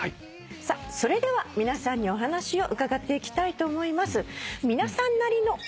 それでは皆さんにお話を伺っていきたいと思います。